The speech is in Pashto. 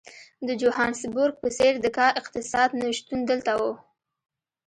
د جوهانسبورګ په څېر د کا اقتصاد نه شتون دلته وو.